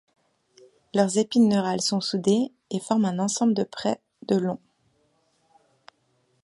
Leurs épines neurales sont soudées et forment un ensemble de près de de long.